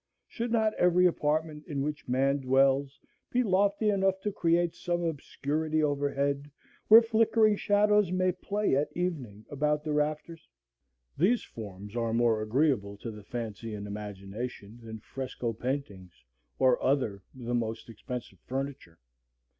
Should not every apartment in which man dwells be lofty enough to create some obscurity over head, where flickering shadows may play at evening about the rafters? These forms are more agreeable to the fancy and imagination than fresco paintings or other the most expensive furniture.